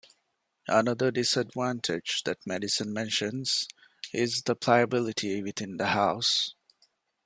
Another disadvantage that Madison mentions is the pliability within the House.